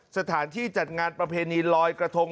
สถานที่จัดงานประเพณีลอยกระทง